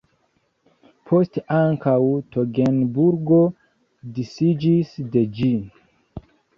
Poste ankaŭ Togenburgo disiĝis de ĝi.